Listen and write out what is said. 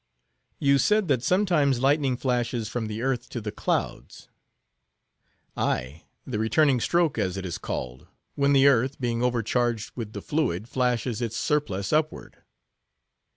"You said that sometimes lightning flashes from the earth to the clouds." "Aye, the returning stroke, as it is called; when the earth, being overcharged with the fluid, flashes its surplus upward."